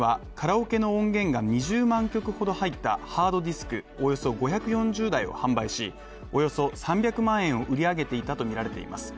警察によりますと３人はカラオケの音源が２０万曲ほど入ったハードディスクおよそ５４０台を販売し、およそ３００万円を売り上げていたとみられています。